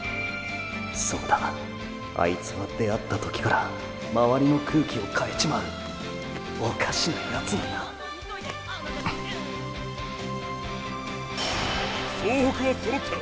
そうだあいつは出会った時から周りの空気を変えちまうおかしなヤツなんだ総北は揃った！